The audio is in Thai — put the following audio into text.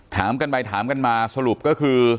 ถามกันไปถามกันมาสรุปก็คือ